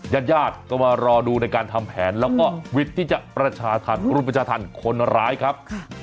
ญาติญาติก็มารอดูในการทำแผนแล้วก็วิทย์ที่จะประชาธรรมรุมประชาธรรมคนร้ายครับ